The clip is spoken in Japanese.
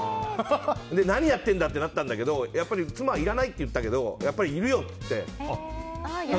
何やってんだってなったんだけどやっぱり妻はいらないって言ったけどやっぱりいるよって言って。